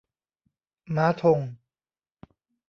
ม้า ธง